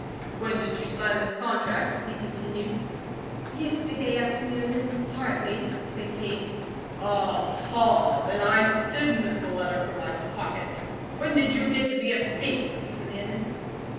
"When did you sign this contract?" he continued. "Yesterday afternoon, in Hartley," said Kate. "Aha! Then I did miss a letter from my pocket. When did you get to be a thief?" he demanded.